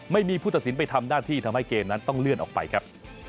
ไม่มีผู้ตัดสินไปทำหน้าที่ทำให้เกมนั้นต้องเลื่อนออกไปครับ